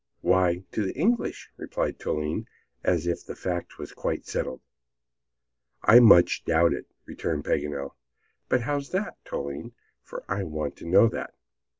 "Why, to the English," replied Toline, as if the fact was quite settled. "I much doubt it," returned Paganel. "But how's that, Toline, for I want to know that?"